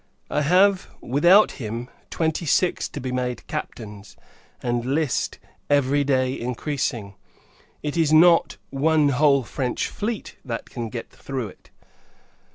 I have, without him, twenty six to be made Captains, and list every day increasing. It is not one whole French fleet that can get through it.